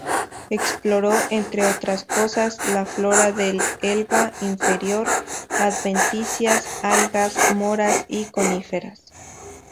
Exploró, entre otras cosas, la flora del Elba inferior, adventicias, algas, moras y coníferas.